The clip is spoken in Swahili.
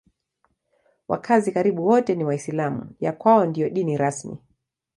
Wakazi karibu wote ni Waislamu; ya kwao ndiyo dini rasmi.